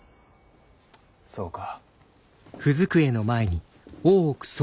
そうか。